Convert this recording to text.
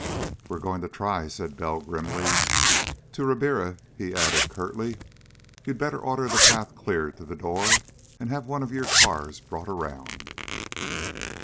"We're going to try," said Bell grimly. To Ribiera he added curtly, "You'd better order the path cleared to the door, and have one of your cars brought around."